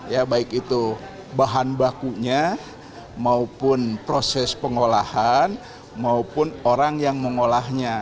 ya baik itu bahan bakunya maupun proses pengolahan maupun orang yang mengolahnya